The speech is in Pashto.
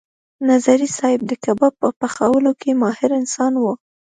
نظري صیب د کباب په پخولو کې ماهر انسان و.